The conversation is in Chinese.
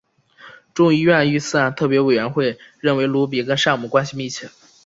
众议院遇刺案特别委员会认为鲁比跟山姆关系密切。